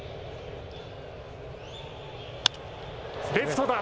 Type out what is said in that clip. レフトだ。